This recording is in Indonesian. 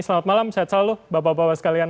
selamat malam sehat selalu bapak bapak sekalian